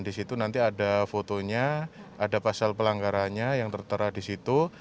di situ nanti ada fotonya ada pasal pelanggarannya yang tertera di situ